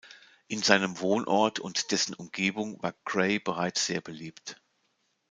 In seinem Wohnort und dessen Umgebung war Gray bereits sehr beliebt.